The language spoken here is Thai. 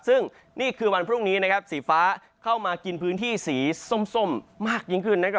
ซึ่งนี่คือวันพรุ่งนี้นะครับสีฟ้าเข้ามากินพื้นที่สีส้มมากยิ่งขึ้นนะครับ